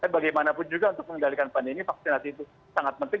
bagaimanapun juga untuk mengendalikan pandemi vaksinasi itu sangat penting